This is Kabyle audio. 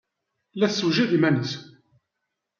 La tessewjad iman-nnes.